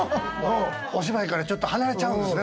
お芝居から離れちゃうんですね。